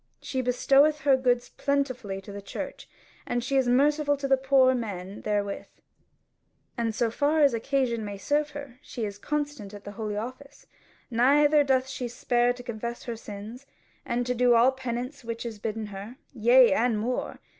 She bestoweth her goods plentifully to the church, and is merciful to poor men therewith; and so far as occasion may serve her she is constant at the Holy Office; neither doth she spare to confess her sins, and to do all penance which is bidden her, yea and more.